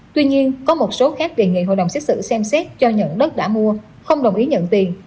tuy nhiên có một số khác đề nghị hội đồng xét xử xem xét cho nhận đất đã mua không đồng ý nhận tiền